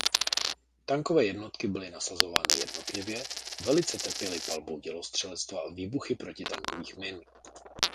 Tankové jednotky byly nasazovány jednotlivě a velice trpěly palbou dělostřelectva a výbuchy protitankových min.